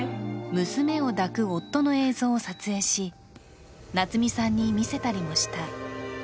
娘を抱く夫の映像を撮影し夏美さんに見せたりもした。